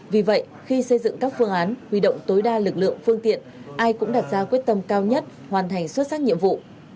vì vậy khi xây dựng các phương án huy động tối đa lực lượng phương tiện ai cũng đặt ra quyết tâm cao nhất hoàn thành xuất sắc nhiệm vụ